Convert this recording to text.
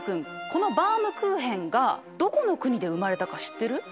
このバウムクーヘンがどこの国で生まれたか知ってる？